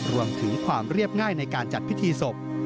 รวมถึงความเรียบง่ายในการจัดพิธีศพ